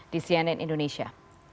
di cnn indonesia